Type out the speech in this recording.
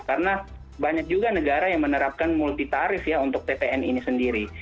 karena banyak juga negara yang menerapkan multi tarif ya untuk ppn ini sendiri